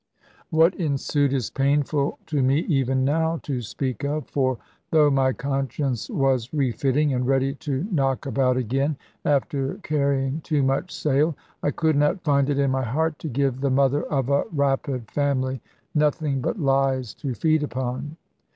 What ensued is painful to me even now to speak of. For though my conscience was refitting, and ready to knock about again, after carrying too much sail, I could not find it in my heart to give the mother of a rapid family nothing but lies to feed upon.